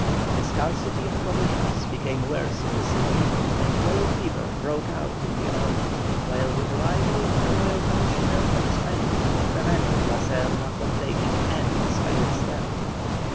The scarcity of provisions became worse in the city, and yellow fever broke out in the army, while the arrival of a royal commissioner from Spain prevented La Serna from taking any decided step.